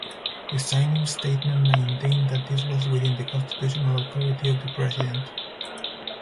The signing statement maintained that this was within the Constitutional authority of the president.